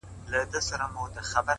علم د هدفونو درک آسانه کوي